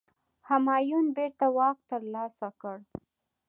همایون بیرته واک ترلاسه کړ.